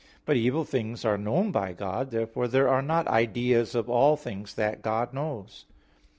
But evil things are known by God. Therefore there are not ideas of all things that God knows.